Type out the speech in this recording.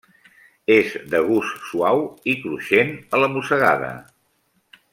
És de gust suau i cruixent a la mossegada.